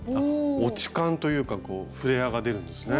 落ち感というかフレアが出るんですね。